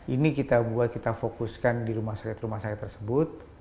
ini kita buat kita fokuskan di rumah sakit rumah sakit tersebut